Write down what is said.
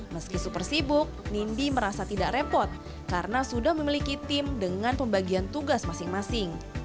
meski super sibuk nindi merasa tidak repot karena sudah memiliki tim dengan pembagian tugas masing masing